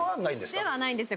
ではないんですね。